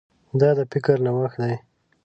دا د فکر نوښت دی.